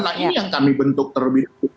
nah ini yang kami bentuk terlebih dahulu